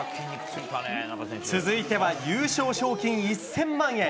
続いては優勝賞金１０００万円。